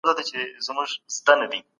ما پرون یو پښتو فلم ولیدی چي ډېر ښه وو